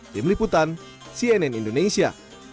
di meliputan cnn indonesia